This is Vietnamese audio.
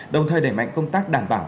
đồng thời đẩy mạnh công tác đảm bảo